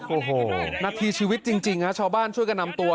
โอ้โหนาทีชีวิตจริงฮะชาวบ้านช่วยกันนำตัว